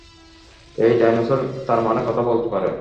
এই ডাইনোসর তারমানে কথা বলতে পারে।